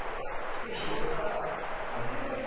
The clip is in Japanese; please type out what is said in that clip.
結構日ごろから。